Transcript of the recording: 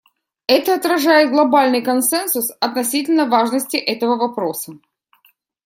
Это отражает глобальный консенсус относительно важности этого вопроса.